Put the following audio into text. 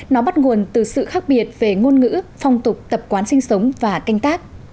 nó bắt nguồn từ sự khác biệt về ngôn ngữ phong tục tập quán sinh sống và canh tác